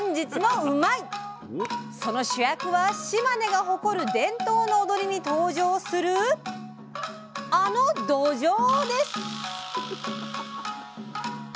その主役は島根が誇る伝統の踊りに登場するあの「どじょう」です！